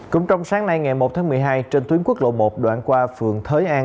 cũng trong sáng nay ngày một tháng một mươi hai trên tuyến quốc lộ một đoạn qua phường thới an